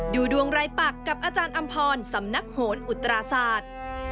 ดูดวงรายปักกับอาจารย์อำพรสำนักโหนอุตราศาสตร์